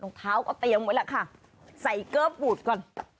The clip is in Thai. รองเท้าก็เปลี่ยนไว้ล่ะค่ะใส่เก้าปุสก่อน